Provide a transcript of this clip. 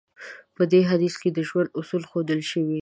په دې حديث کې د ژوند اصول ښودل شوی.